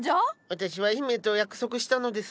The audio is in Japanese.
私は姫と約束したのです。